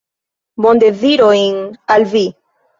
Bondezirojn al vi!